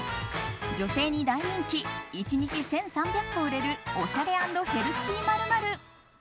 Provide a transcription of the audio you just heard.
女性に大人気１日１３００個売れるおしゃれ＆ヘルシー○○。